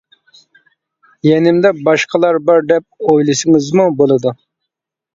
-يېنىمدا باشقىلار بار دەپ ئويلىسىڭىزمۇ بولىدۇ.